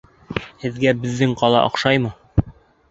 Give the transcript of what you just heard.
Һеҙгә беҙҙең ҡала оҡшаймы?